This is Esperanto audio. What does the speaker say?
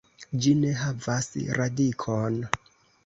Ĝi ne havas radikon.